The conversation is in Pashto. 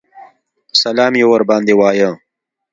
سلام یې ورباندې وایه.